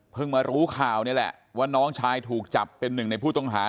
มารู้ข่าวนี่แหละว่าน้องชายถูกจับเป็นหนึ่งในผู้ต้องหา